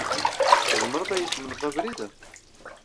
Tzemred ad iyi-temled abrid?